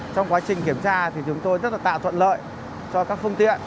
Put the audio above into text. trong quá trình kiểm tra thì chúng tôi rất là tạo thuận lợi cho các phương tiện